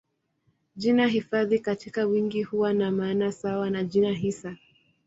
Jina hifadhi katika wingi huwa na maana sawa na jina hisa.